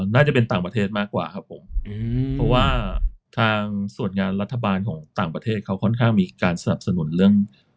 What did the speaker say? น่าจะเป็นต่างประเทศมากกว่าครับผมเพราะว่าทางส่วนงานรัฐบาลของต่างประเทศเขาค่อนข้างมีการสนับสนุนเรื่อง